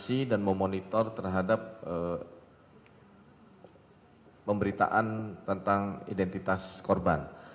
ada lagi rekan rekan